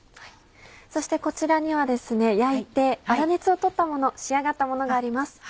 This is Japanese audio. そしてこちらにはですね焼いて粗熱を取ったもの仕上がったものがあります。